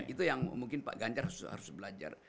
itu yang mungkin pak ganjar harus belajar